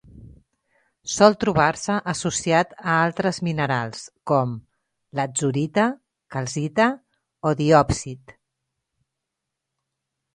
Sol trobar-se associat a altres minerals com: latzurita, calcita o diòpsid.